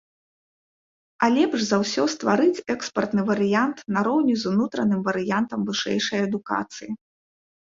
А лепш за ўсё стварыць экспартны варыянт нароўні з унутраным варыянтам вышэйшай адукацыі.